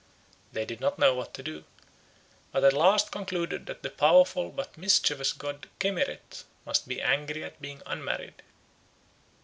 They did not know what to do, but at last concluded that their powerful but mischievious god Keremet must be angry at being unmarried.